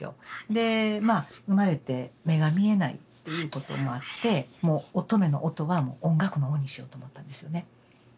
でまあ生まれて目が見えないっていうこともあってもう「おとめ」の「おと」は音楽の「音」にしようと思ったんですよね。